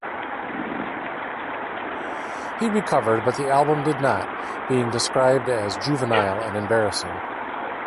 He recovered but the album did not; being described as 'juvenile and embarrassing'.